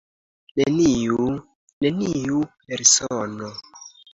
Neniu = neniu persono.